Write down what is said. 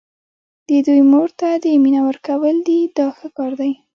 د دوی مور ته دې مینه ورکول دي دا ښه کار دی.